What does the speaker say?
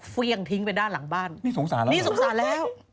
เฟี้ยงทิ้งไปด้านหลังบ้านนี่สงสารแล้ว